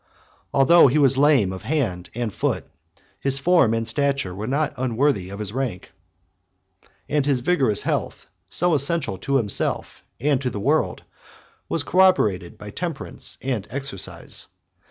66 Although he was lame of a hand and foot, his form and stature were not unworthy of his rank; and his vigorous health, so essential to himself and to the world, was corroborated by temperance and exercise.